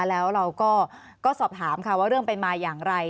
แล้วเราก็สอบถามค่ะว่าเรื่องเป็นมาอย่างไร